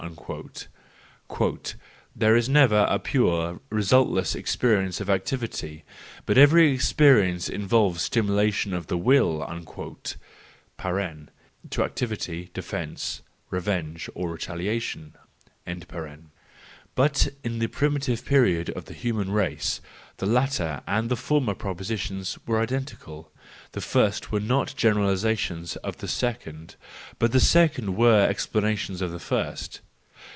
"There is never a pure, resultless experience of activity, but every experience involves stimulation of the Will " (to activity, defence, revenge or retalia¬ tion). But in the primitive period of the human race, the latter and the former propositions were identical, the first were not generalisations of the second, but the second were explanations of the first.